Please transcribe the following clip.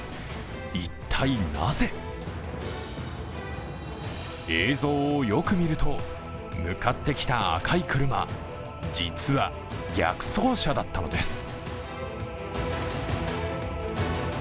一体なぜ？映像をよく見ると、向かってきた赤い車、実は逆走車だったのです。